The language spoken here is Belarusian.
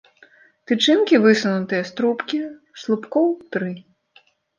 Тычынкі высунутыя з трубкі, слупкоў тры.